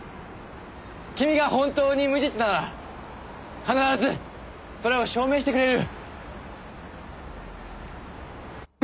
君が本当に無実なら必ずそれを証明してくれる。